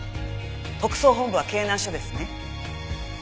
特捜本部は京南署ですね？